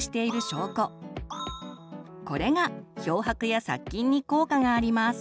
これが漂白や殺菌に効果があります。